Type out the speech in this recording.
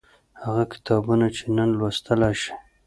هغه کتابونه چې نن لوستلای شئ